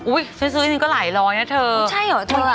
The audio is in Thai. อุ้ยซื้อที่นี่ก็หลายร้อยนะเธออุ้ยใช่หรอเธอ